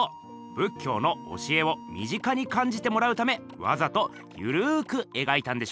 仏教の教えを身近に感じてもらうためわざとゆるくえがいたんでしょうね。